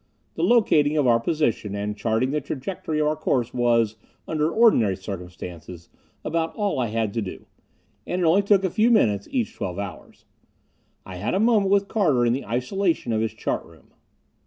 The locating of our position and charting the trajectory of our course was, under ordinary circumstances, about all I had to do. And it took only a few minutes each twelve hours. I had a moment with Carter in the isolation of his chart room.